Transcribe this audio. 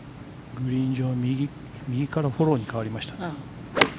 グリーン上右からフォローに変わりました。